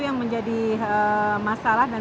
yang menjadi masalah dan